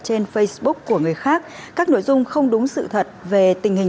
trên facebook của người khác các nội dung không đúng sự thật về tình hình